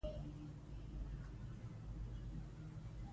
کعبه له فضا د سپېڅلي ځای په توګه روښانه ښکاري.